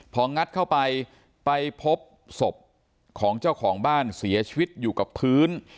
พองัดเข้าไปไปพบศพของเจ้าของบ้านเสียชีวิตอยู่กับพื้น